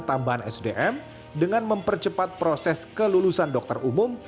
tambahan sdm dengan mempercepat proses kelulusan dokter umum